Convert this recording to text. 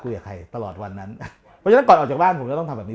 คุยกับใครตลอดวันนั้นก่อนออกจากบ้านผมจะต้องทำแบบนี้